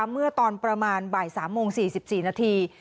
เมื่อตอนประมาณบ่าย๓โมง๔๔นาที